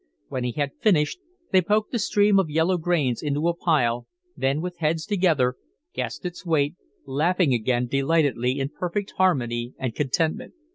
When he had finished, they poked the stream of yellow grains into a pile, then, with heads together, guessed its weight, laughing again delightedly, in perfect harmony and contentment.